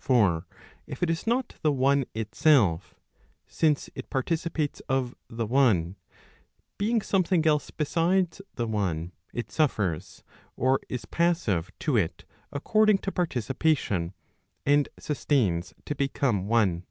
For if it is not the one itself (since it participates of the one) being something else besides the one , it suffers, or is passive to it according to participation, and sustains to become one.